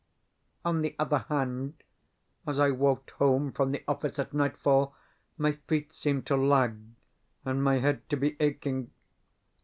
On the other hand, as I walked home from the office at nightfall my feet seemed to lag, and my head to be aching.